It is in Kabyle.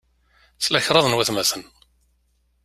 Tla kṛad n watmaten.